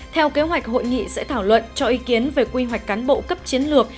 theo kế hoạch hội nghị sẽ thảo luận cho ý kiến về quy hoạch cán bộ cấp chiến lược